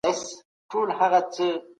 د پښتنو په کلتور کي کیسې ډېر ارزښت لري.